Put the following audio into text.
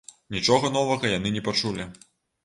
Нічога новага яны не пачулі.